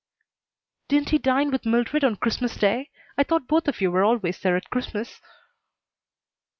"Didn't he dine with Mildred on Christmas day? I thought both of you were always there at Christmas."